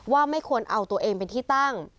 ว่าไม่ควรเอาตัวเองเป็นที่ตั้ง